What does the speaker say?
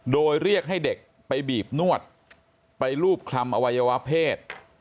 โดยเรียกให้เด็กไปบีบนวดไปรูปคลำอวัยวะเพศ